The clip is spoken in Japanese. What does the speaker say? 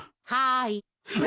はい。